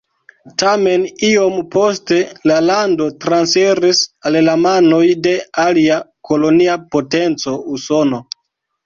Tamen iom poste la lando transiris al la manoj de alia kolonia potenco Usono.